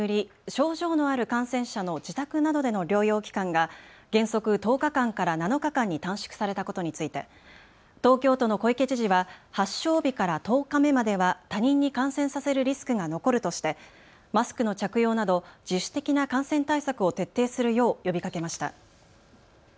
症状のある感染者の自宅などでの療養期間が原則１０日間から７日間に短縮されたことについて東京都の小池知事は発症日から１０日目までは他人に感染させるリスクが残るとしてマスクの着用など自主的な感染対策を徹底するよう呼びかけました。